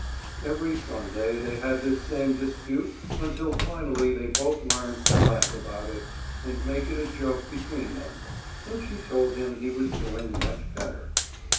Every Sunday they had this same dispute until finally they both learned to laugh about it and made it a joke between them, and she told him he was doing much better.